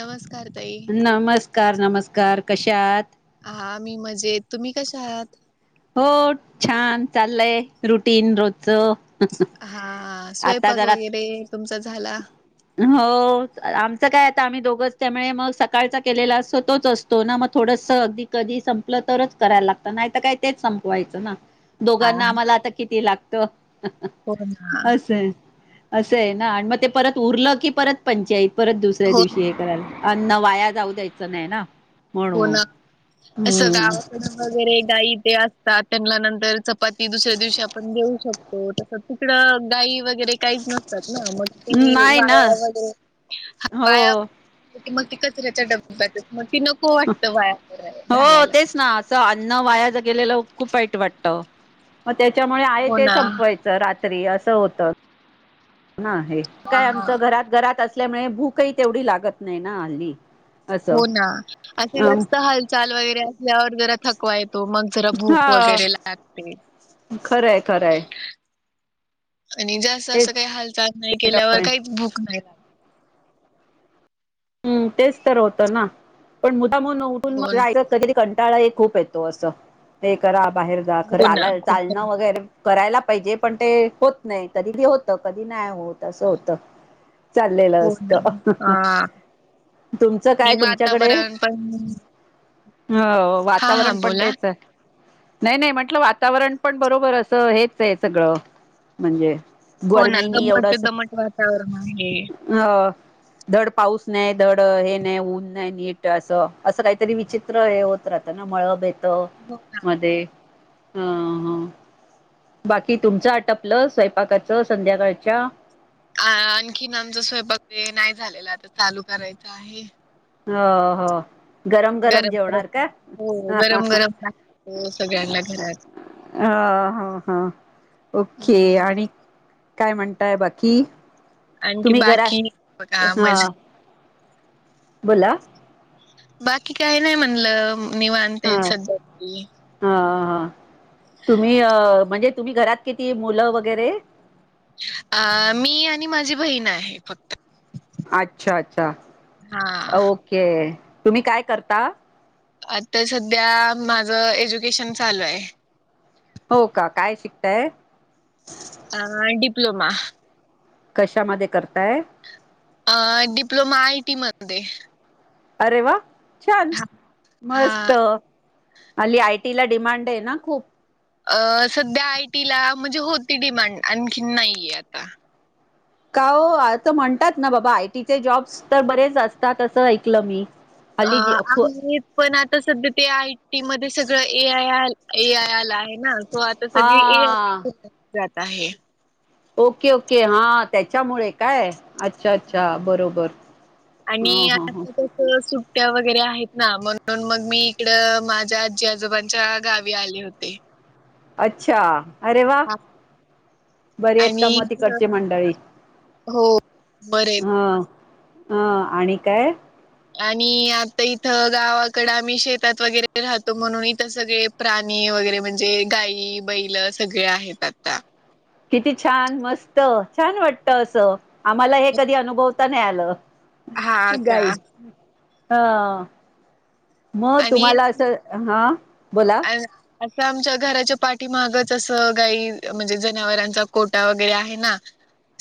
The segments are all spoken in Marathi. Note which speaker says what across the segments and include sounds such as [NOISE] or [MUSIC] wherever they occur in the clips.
Speaker 1: नमस्कार ताई
Speaker 2: कार नमस्कार कशाात आहात
Speaker 1: हा मी म्हजेत तुम्ही कशा आहात?
Speaker 2: हो छान चाललय रुटीन रोजच.
Speaker 1: हा
Speaker 2: आता
Speaker 1: स्वयंपाक
Speaker 2: जरा
Speaker 1: वगैरे तुमचा झाला?
Speaker 2: हो, आमचं काय आता आम्ही दोघंच त्यामुळे मग सकाळचा केलेला असो तोच असतो ना मग थोडस अगदी कधी संपलं तरच करायला लागत नाही काय, तेच संपवायचं ना
Speaker 1: हा
Speaker 2: दोघांना
Speaker 1: हो
Speaker 2: आम्हाला आता किती लागत.
Speaker 1: ना.
Speaker 2: असं आहे असं आहे ना आणि मग ते परत उरलं की परत पंचायत परत दुसऱ्या
Speaker 1: हो
Speaker 2: दिवशी हे करायला अन्न वाया जाऊ द्यायचं नाही ना,
Speaker 1: होण
Speaker 2: म्हणून
Speaker 1: असं
Speaker 2: हम्म
Speaker 1: गावाकड वगैरे गाई ते असतात त्यांना नंतर चपाती दुसऱ्या दिवशी आपण देऊ शकतो तस तिकडं गाई वगैर वगैरे काहीच नसतात ना मग ते
Speaker 2: नाही ना
Speaker 1: वाया वगैरे वाया,
Speaker 2: हो
Speaker 1: मग ती कचऱ्या डब्ब्यात मग ती न
Speaker 2: हो तेच ना असं अन्न वाया ज गेलेलं. खूप खूप वाईट वाटत मग त्याच्यामुळे आहे
Speaker 1: हो
Speaker 2: ते
Speaker 1: ना.
Speaker 2: संपवायचं रात्री असं होतं. ना हे
Speaker 1: हा
Speaker 2: काय
Speaker 1: हा.
Speaker 2: आमच घरात घरात असल्यामुळे भूकही तेवढी लागत नाही ना हल्ली असं
Speaker 1: हो ना असे
Speaker 2: अ
Speaker 1: जास्त हालचाल वगैरे असल्यावर जरा थकवा येतो मग जरा भूक
Speaker 2: हा
Speaker 1: वगैरे लागते.
Speaker 2: खरंय खरंय.
Speaker 1: आणि जास्त
Speaker 2: तेच
Speaker 1: असं काही हालचाल नाही केल्यावर
Speaker 2: त्याच्यामुळे
Speaker 1: काहीच भूक नाही लागत
Speaker 2: हम्म तेच तर होतं ना पण [UNINTELLIGIBLE]
Speaker 1: हो ना
Speaker 2: उठूनरी कंटाळा एक खूप येतो असं ते करा बाहेर जा खर
Speaker 1: हो ना
Speaker 2: चा
Speaker 1: खूप कमी
Speaker 2: चालणं वगैरे करायला पाहिजे पण ते होत नाही कधी बी होत कधी नाही होत असं होत. चाललेलं
Speaker 1: हो ना
Speaker 2: असतं.
Speaker 1: हा
Speaker 2: तुमचं
Speaker 1: आणि
Speaker 2: काय तुमच्याकडे
Speaker 1: वातावरण पण
Speaker 2: हो
Speaker 1: हा हा
Speaker 2: वातावरण पण
Speaker 1: बोला
Speaker 2: तेच आहे. नाही नाही म्हंटलं वातावरण पण बरोबर असं हेच आहे सगळं म्हणजे
Speaker 1: हो ना
Speaker 2: गरमीनी
Speaker 1: दमट
Speaker 2: एवढस
Speaker 1: दमट वातावरण आहे
Speaker 2: अ ड पाऊस नाही धड हे नाही ऊन नाही नीट असं असं काहीतरी विचित्र हे होत राहत ना मळबेत
Speaker 1: हो ना
Speaker 2: मध्ये अ बाकी तुमचंटपलं स्वयंपाकाचं संध्याकाळच्या
Speaker 1: अ आणखीन आमचा स्वयंपाक ते नाही झालेला आता चालू करायचं आहे.
Speaker 2: ह हा गरम गरम जेवणार
Speaker 1: गरम
Speaker 2: का.
Speaker 1: हो
Speaker 2: हा
Speaker 1: गरम गरम लागतो सगळ्यांना घरात
Speaker 2: हा हा ओके
Speaker 1: हम्म
Speaker 2: आणि काय म्हणताय बाकी,
Speaker 1: आणखी
Speaker 2: तुम्ही घरा
Speaker 1: बाकी बघा
Speaker 2: हा
Speaker 1: मज
Speaker 2: बोला.
Speaker 1: बाकी काही नाही म्हणलं निवांत
Speaker 2: हा
Speaker 1: सध्या तरी
Speaker 2: हा तुम्ही अ म्हणजे तुम्ही घरात किती मुलं वगैरे
Speaker 1: अ मी आणि माझी बहीण आहे फक्त
Speaker 2: अच्छा अच्छा
Speaker 1: हा.
Speaker 2: ओके तुम्ही काय करता?
Speaker 1: आता सध्या माझ एज्युकेशन चालू आहे.
Speaker 2: हो का काय शिकताय.
Speaker 1: अ डीप्लोमा
Speaker 2: कशामध्ये करताय
Speaker 1: अ डिप्लोमा आयटी मध्ये,
Speaker 2: अरे वा छान
Speaker 1: हा.
Speaker 2: मस्त हल्ली आयटी ला डिमांड आहे ना खूप,
Speaker 1: अ सध्या आयटीला म्हणजे होती डिमांड आणखीन नाहीय आता,
Speaker 2: का हो असं म्हणतात ना बाबा आयटीचे जॉब्स तर बरेच असतात असं ऐकलं मी
Speaker 1: अ
Speaker 2: हल्ली जे खू
Speaker 1: पण आता सध्या ते आयटी मध्ये सगळं ए आय आला. आहे ना, सो आता
Speaker 2: हा
Speaker 1: सगळी ए [UNINTELLIGIBLE] जात आहे.
Speaker 2: ओके ओके, हा त्याच्यामुळे काय? अच्छा अच्छा बरोबर. ह
Speaker 1: आणि
Speaker 2: ह ह
Speaker 1: आता तसं सु ट्या वगैरे आहेत ना, म्हणून मग मी इकडं माझ्या आजी आजोबांच्या गावी आले होते.
Speaker 2: अच्छा! अरे वा.
Speaker 1: हा.
Speaker 2: बरे आहेत का
Speaker 1: आणि
Speaker 2: म तिकडचे मंडळी?
Speaker 1: हो बरेत.
Speaker 2: हा. हा आणि काय?
Speaker 1: आणि आता इथं गावाकडे आम्ही शेतात वगैरे राहतो म्हणून इथं सगळे प्राणी वगैरे म्हणजे गायी बैलं सगळे आहेत आता.
Speaker 2: किती छान मस्त छान वाटतं असं, आम्हाला हे कधी अनुभवता नाही आलं.
Speaker 1: हा का?
Speaker 2: गाई ह मग
Speaker 1: आणि
Speaker 2: तुम्हाला असं, हा बोला.
Speaker 1: असं आमच्या घराच्या पाठीमागच असं गाई म्हणजे जनावरांचा कोटा वगैरे आहे ना.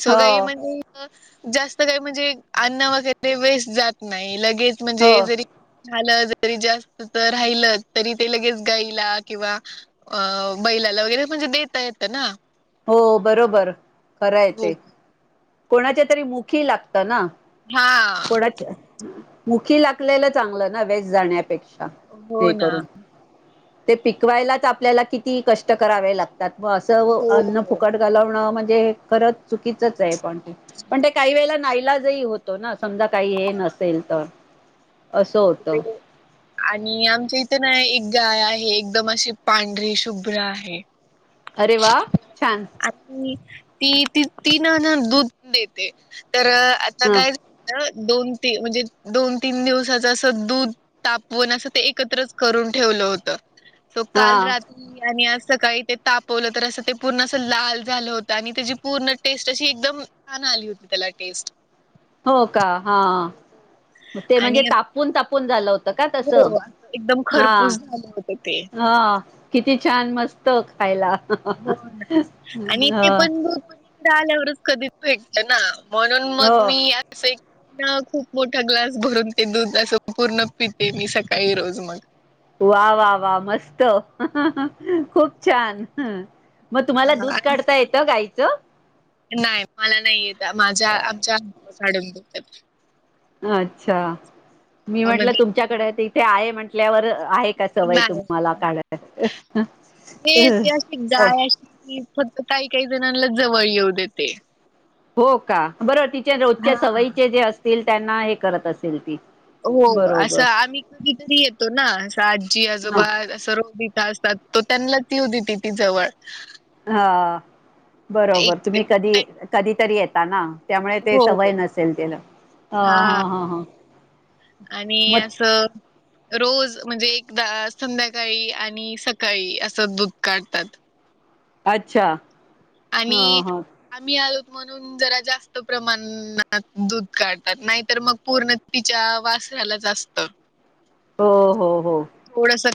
Speaker 1: सो काय
Speaker 2: हो
Speaker 1: म्हणजे इथं जास्त काही म्हणजे, अन्न वगैरे वेस्ट जात नाही लग गेच म्हणजे
Speaker 2: हो
Speaker 1: जरी झालं जरी जास्तच राहिलं, तरी ते लगेच गाईला किंवा अ बैलाला वगैरे म्हणजे देता येतं ना.
Speaker 2: हो बरोबर, खरं आहे
Speaker 1: हो
Speaker 2: ते कोणाच्या तरी मुखी लागतं ना.
Speaker 1: हा
Speaker 2: कोणाच्या मुखी लागलेला चांगलं ना वेस्ट जाण्यापेक्षा.
Speaker 1: हो
Speaker 2: ते
Speaker 1: ना
Speaker 2: करून ते पिकवायलाच आपल्याला किती कष्ट करावे लागतात. त्यात म असं अन्न
Speaker 1: हो
Speaker 2: फुकट घालवणं म्हणजे खरंच चुकीचंच आहे पण. पण ते काही वेळे नाइलाजही होतो ना, समजा काही हे नसेल तर. असं होत.
Speaker 1: ते आणि आमच्या इथे ना एक गाय आहे एकदम अशी पांढरी शुभ्र आहे.
Speaker 2: अरे वा छान!
Speaker 1: आणि ती तिन लिटर दूध देते, तर आता
Speaker 2: हा
Speaker 1: काय झालं? दोन ते म्हणजे दोन, तीन दिवसात जस दूध तापवून अस ते एकत्रच करून ठेवलं होत. सो काल
Speaker 2: हा
Speaker 1: रात्री आणि आज सकाळी ते तापवलं तर असं ते पूर्ण अस लाल झालं होतं, आणि त्याची पूर्ण टेस्ट अशी एकदम छान अली होती, त्याला टेस्ट.
Speaker 2: हो का, हा ते म्हणजे
Speaker 1: आणि
Speaker 2: तापवून तापवून झालं होत. का, तस
Speaker 1: हो एकदम
Speaker 2: हा
Speaker 1: खरपूस झालं होतं ते
Speaker 2: हा किती छान! मस्त. खायला.
Speaker 1: हो ना, आणि
Speaker 2: ह
Speaker 1: ते पण दुध आल्यावरच कधीच भेटत, ना म्हणून मग
Speaker 2: हो
Speaker 1: मी असं ना खूप मोठा ग्लास भरून ते दूध असं पूर्ण पिते मी सकाळी रोज मग.
Speaker 2: वा वा वा, मस्त खूप छान! मग तुम्हाला
Speaker 1: हा,
Speaker 2: दूध
Speaker 1: आणि
Speaker 2: काढता येतं गाईचं?
Speaker 1: नाही मला नाही येत माझ्या आमच्या [UNINTELLIGIBLE] देतात.
Speaker 2: अच्छा मी म्हटलं
Speaker 1: म्हणजे
Speaker 2: तुमच्याकडे इथे आहे म्हंटल्यावर आहे का सवय तुम्हाला काढाय?
Speaker 1: हे ते अशी गाय अशी फक्त काही काही जणांनाच जवळ येऊ देते.
Speaker 2: हो का? बरोबर तिच्या
Speaker 1: हा
Speaker 2: रोजच्या सवयीचे जे असतील त्यांना हे करत असेल ती.
Speaker 1: हो,
Speaker 2: बरोबर
Speaker 1: असं आम्ही कधीतरी येतो ना, आजी
Speaker 2: ह
Speaker 1: आजोबा असं रो इथं असतात, तो त्यांना ती येऊ देती ती जवळ.
Speaker 2: हा, बरोबर तुम्ही
Speaker 1: एक
Speaker 2: कधी कधी तरी येता ना. त्यामुळे ते
Speaker 1: हो
Speaker 2: सवय नसेल त्याला, ह
Speaker 1: हां.
Speaker 2: हा हा हा.
Speaker 1: आणि असं रोज म्हणजे एकदा संध्याकाळी आणि सकाळी असं दूध काढतात.
Speaker 2: अच्छा! ह
Speaker 1: आम्ही,
Speaker 2: ह
Speaker 1: आम्ही आलोत. म्हणून जरा जास्त प्रमाणात दूध काढतात, नाहीतर मग पूर्ण तिच्या वासराला पीवू दितात. जरा जास्तचं
Speaker 2: होओ होओ होओ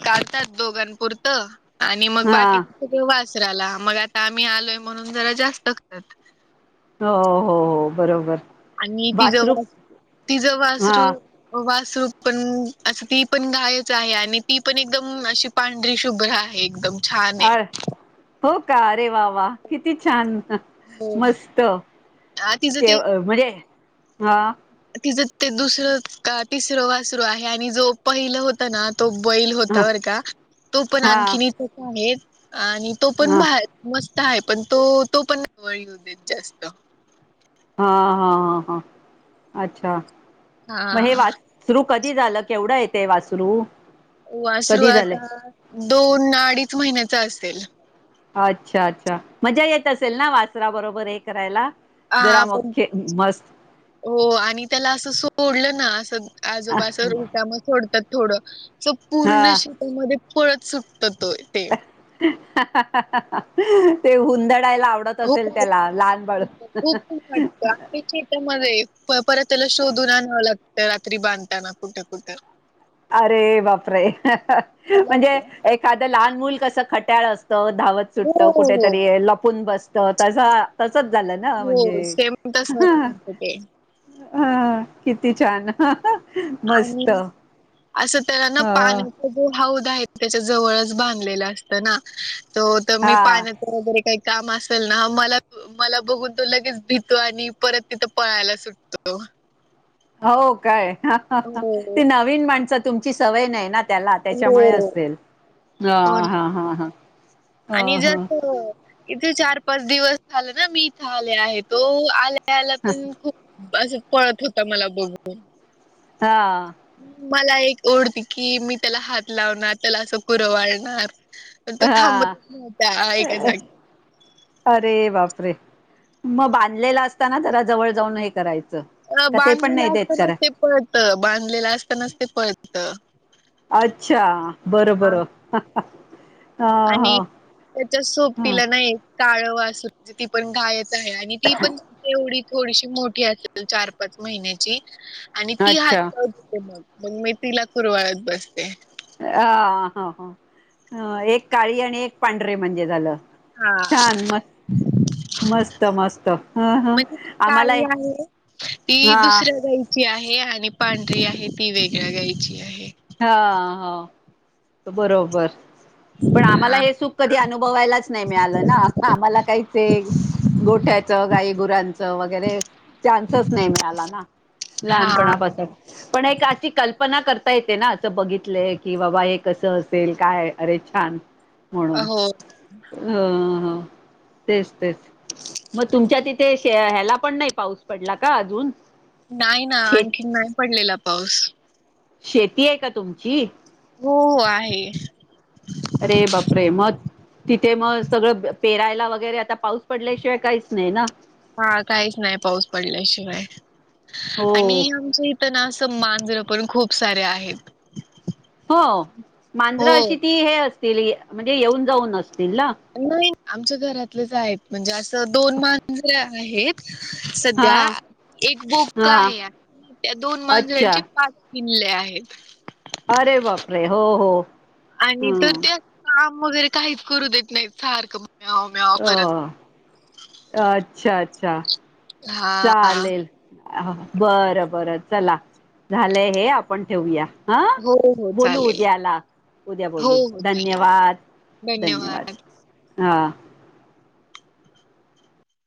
Speaker 1: कातात दोघांपुरतं आणि मग बाकी
Speaker 2: हा
Speaker 1: त देव्हासराला मग आता आम्ही आलोय, काढतात दोघांंनपूरत आणि मगं बाकी वासराला पुरण वासराला मग आता आंम्ही आलोत.
Speaker 2: होअ होअ होअ बरोबरं.
Speaker 1: आम्ही तिच वाऊ तिच
Speaker 2: हा
Speaker 1: वासरू वासरू. पणं असं ती पणं हाय आणि ती पण एकदम अशी पांढरी शुभ्र आहे, एकदमं. छान!
Speaker 2: अ
Speaker 1: हाय!
Speaker 2: हो कारे वाअ वाअ किती? छान!
Speaker 1: हो.
Speaker 2: मस्तं!
Speaker 1: अ तिचं ते
Speaker 2: केव म्हणजे हाअ.
Speaker 1: तिचं ते दुसरं, का तिसरं वासरू आहे. आणि जो पहिलं होतं नां तो बैल
Speaker 2: हा
Speaker 1: होता बरका तो पण
Speaker 2: हा
Speaker 1: आणखीन ऐक, एक. आणि तो पण
Speaker 2: हा
Speaker 1: मस्तं आहे, पण तो तो पळू देत जास्त.
Speaker 2: हा हा हा हा अच्छा महेऐ
Speaker 1: हा
Speaker 2: वासरू. कधी झालं? केवढं? दिसते वासरू.
Speaker 1: वासरू
Speaker 2: कधी झाले
Speaker 1: आता दोनं अडीचं महिन्याचा असेल!
Speaker 2: अच्छा! अच्छा! मजा येत असेल नां वासरा बरोबरं हेअ करायला.
Speaker 1: हा
Speaker 2: जरा मग
Speaker 1: पण
Speaker 2: खे मस्त
Speaker 1: हो आणि त्याला असं सोडलं ना. असंअअ. आजोबा तयाला रानात सोडतात थोडं स पूर्ण
Speaker 2: हा
Speaker 1: शेतामध्ये पळत सुटते तअ तो ए
Speaker 2: [UNINTELLIGIBLE] ते हुंदडायला आवडत
Speaker 1: हो
Speaker 2: असेल?
Speaker 1: खूप
Speaker 2: त्याला लहान बाळ
Speaker 1: वाटत आपल्या
Speaker 2: [UNINTELLIGIBLE]
Speaker 1: शेतामध्ये प परत त्याला शोधून आनावं लागतं रात्री बांधतांना कुठं? कुठं?
Speaker 2: अरे! बापरे हहह
Speaker 1: त्याला
Speaker 2: म्हणजे?
Speaker 1: हो
Speaker 2: एखादं लहान मुूल कसं खट्याळ असतं. तोअ धावत सुटत
Speaker 1: हो
Speaker 2: कुठेतरी लपून बसतो. त्या तेच झालनां म्हणजे
Speaker 1: हो सेम तस
Speaker 2: ह
Speaker 1: करत ते
Speaker 2: ह कीतीक. छान! हअअ
Speaker 1: आणि
Speaker 2: मस्त!
Speaker 1: असं त्याला ना
Speaker 2: हो,
Speaker 1: पाण्याचा हौंद आहे. त्याच्या जवळच बांधलेला असतंताना. त तर मी,
Speaker 2: हां.
Speaker 1: पाण्या वगैरे काही. काम असेल नां मला मला बघून तो लगेच भितो. आणि परत तिथं पळायला सुटतो. [INAUDIBLE]
Speaker 2: होव काय?
Speaker 1: हो
Speaker 2: ती नवीन माणसं तुमची सवय नाहीई ना. त्याला त्याच्यामुळे
Speaker 1: हो.
Speaker 2: असेल. ह
Speaker 1: हो ना.
Speaker 2: हा हा हा.
Speaker 1: आणि ज पोर इथे बरच दिवस झालं नां मी इथं आले आहे. तो आल्यालया पण खूप. मासं पळत होता मला बघून.
Speaker 2: हाअअ,
Speaker 1: मला एक ओढ लागली, मी त्याला हातं लावणार त्याला असं कुरंवाळणार. तू अ
Speaker 2: हां.
Speaker 1: थांबत राहा एकाअ जागी.
Speaker 2: अरेऐ बापरे मग बांधलेला असतांना जरा जवळ जाऊन हे करायचं.
Speaker 1: अ
Speaker 2: का ते पण नाही
Speaker 1: बांधलेला
Speaker 2: देत
Speaker 1: असतांनाच
Speaker 2: करा
Speaker 1: ते पळत बांधलेला असतांनाच ते पळत.
Speaker 2: अच्छा! बरंबरं. [UNINTELLIGIBLE]
Speaker 1: आणि त्याच्या सोपतीला ना एक काळं वाचला ती पण घायच. होअ आणि ती पण एवढी थोडीशी मोठी असेल, चार, पाच महिन्याची आणि ती हात
Speaker 2: अच्छा
Speaker 1: लावेते. मग मी तिला कुरवळत बसते.
Speaker 2: अ ह ह एक काळी आणिई एक पांढरे म्हणजे झालं. छान म
Speaker 1: हं,
Speaker 2: मस्त मस्त हम्म हम्म
Speaker 1: ती
Speaker 2: आम्हाला
Speaker 1: काळी
Speaker 2: एक
Speaker 1: आहे ती दुसऱ्या गायची आहे आणि पांढरी आहे ती वेगळ्या गायची आहे.
Speaker 2: हा हो बरोबर.
Speaker 1: [INAUDIBLE]
Speaker 2: पण आम्हाला हे सुख कधी अनुभवायलाच नाही मिळालं ना, आम्हाला काहीच हे गोठ्याचं गाई गुरांचं वगैरे चान्सच नाही मिळाला ना.
Speaker 1: हा
Speaker 2: लहानपणापासून पण एक अशी कल्पना कर ता येते ना असं बघितले की बाबा हे कसं असेल काय अरे छान म्हणून
Speaker 1: हो
Speaker 2: अ तेच तेच, मग तुमच्या तिथे शे ह्याला पण नाही पाऊस पडला का अजून?
Speaker 1: नाही ना,
Speaker 2: शेत
Speaker 1: आणखीन नाही पडलेला पाऊस.
Speaker 2: शेती आहे का तुमची?
Speaker 1: हो आहे.
Speaker 2: अरे बापरे! मत तिथे मग सगळं पेरायला वगैरे आता पाऊस पडल्याशिवाय काहीच नाही ना
Speaker 1: हा काहीच नाही पाऊस पडल्याशिवाय
Speaker 2: हो
Speaker 1: आणि आमच्या इथ ना मांजर पण खूप साऱ्या आहेत.
Speaker 2: हो मांजरं
Speaker 1: हो.
Speaker 2: अशी ती हे असतील म्हणजे येऊन जाऊन असतील ना?
Speaker 1: नाही आमच्या घरातलेच आहेत, म्हणजे असं दोन मांजरे आहेत.
Speaker 2: हा
Speaker 1: सध्या एक बोक्क
Speaker 2: हा
Speaker 1: आहे, त्या दोन
Speaker 2: अच्छा
Speaker 1: मांजरांची पाच पिल्ले आहेत.
Speaker 2: अरे बापरे! हो हो
Speaker 1: आणि तर
Speaker 2: हं
Speaker 1: ते असं काम वगैरे काहीच करू देत नाही, सारखं म्याव म्याव करत
Speaker 2: अ अच्छा अच्छा!
Speaker 1: हा.
Speaker 2: चालेल बरं बरं चला झालंय हे आपण ठेवूया. हा
Speaker 1: हो हो
Speaker 2: बोलू
Speaker 1: चालेल.
Speaker 2: उद्याला. उद्या
Speaker 1: हो
Speaker 2: बोलू
Speaker 1: हो चालेल
Speaker 2: धन्यवाद धन्यवाद! हा.